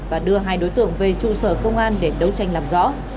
và đưa hai đối tượng về trụ sở công an để đấu tranh làm rõ